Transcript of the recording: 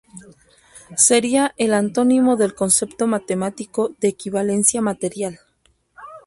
Sería el antónimo del concepto matemático de equivalencia material.